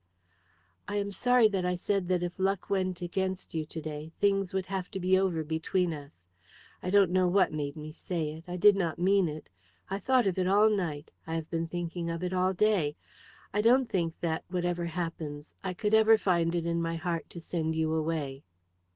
"I am sorry that I said that if luck went against you to day things would have to be over between us. I don't know what made me say it. I did not mean it. I thought of it all night; I have been thinking of it all day. I don't think that, whatever happens, I could ever find it in my heart to send you away."